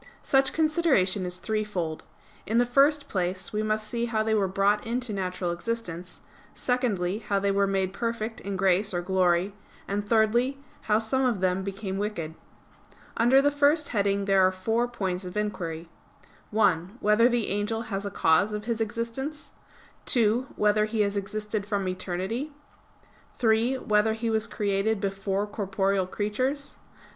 Such consideration is threefold. In the first place we must see how they were brought into natural existence; secondly, how they were made perfect in grace or glory; and thirdly, how some of them became wicked. Under the first heading there are four points of inquiry: (1) Whether the angel has a cause of his existence? (2) Whether he has existed from eternity? (3) Whether he was created before corporeal creatures?